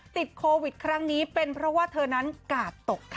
ติดโควิดครั้งนี้เป็นเพราะว่าเธอนั้นกาดตกค่ะ